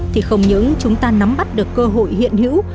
thì không những chúng ta nắm bắt được cơ hội hiện hữu